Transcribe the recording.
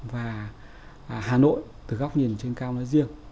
và hà nội từ góc nhìn trên cao nói riêng